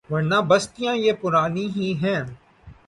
ورنہ بستیاں یہ پرانی ہی ہیں۔